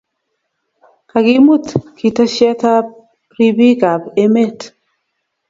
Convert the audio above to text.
Kakimut kiteshiet ab ribik ab emet